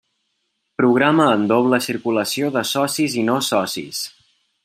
Programa amb doble circulació de socis i no socis.